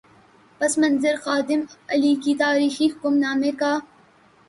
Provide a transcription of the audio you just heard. پس منظر خادم اعلی کے تاریخی حکم نامے کا۔